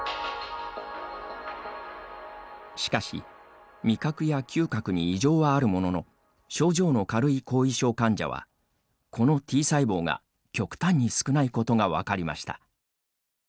しかし、味覚や嗅覚に異常はあるものの症状の軽い後遺症患者はこのＴ細胞が極端に少ないことが分かりました。